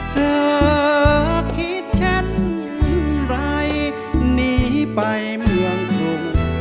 เธอคิดฉันไรหนีไปเมืองถุง